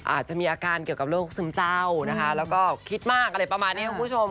อาจจะมีอาการเกี่ยวกับโรคซึมเศร้านะคะแล้วก็คิดมากอะไรประมาณนี้คุณผู้ชม